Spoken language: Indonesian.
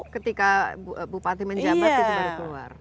ketika bupati menjabat itu baru keluar